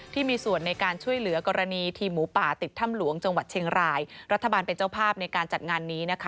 ที่มีส่วนในการช่วยเหลือกรณีทีมหมูป่าติดถ้ำหลวงจังหวัดเชียงรายรัฐบาลเป็นเจ้าภาพในการจัดงานนี้นะคะ